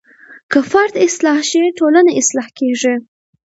که فرد اصلاح شي ټولنه اصلاح کیږي.